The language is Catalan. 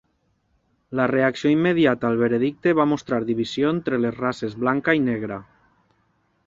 La reacció immediata al veredicte va mostrar divisió entre les races blanca i negra.